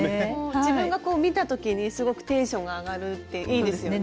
自分がこう見た時にすごくテンションが上がるっていいですよね。